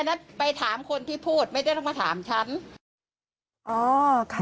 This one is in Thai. อันนั้นไปถามคนที่พูดไม่ต้องมาถามฉัน